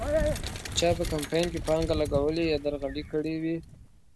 چا په کمپاین کې پانګه لګولې یا درغلۍ کړې وې.